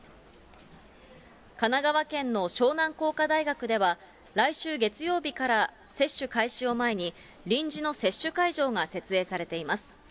神奈川県の湘南工科大学では、来週月曜日から接種開始を前に、臨時の接種会場が設営されています。